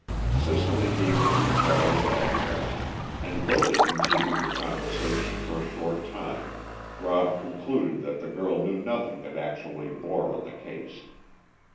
Cicely gave the required address, and though they continued the conversation for a short time, Rob concluded that the girl knew nothing that actually bore on the case.